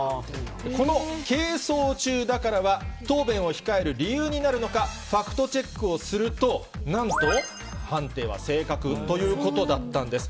この係争中だからは、答弁を控える理由になるのか、ファクトチェックをすると、なんと、判定は正確ということだったんです。